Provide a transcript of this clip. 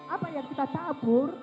apa yang kita tabur